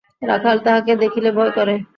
রাখাল তাহাকে দেখিলে ভয় করে।